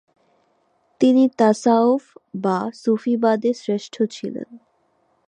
তিনি তাসাউফ বা সুফীবাদে শ্রেষ্ঠ ছিল।